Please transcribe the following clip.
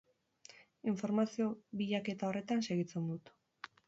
Informazio bilaketa horretan segitzen dut.